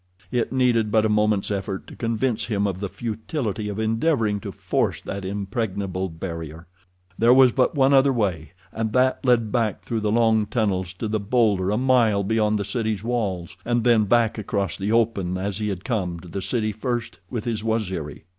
It needed but a moment's effort to convince him of the futility of endeavoring to force that impregnable barrier. There was but one other way, and that led back through the long tunnels to the bowlder a mile beyond the city's walls, and then back across the open as he had come to the city first with his Waziri.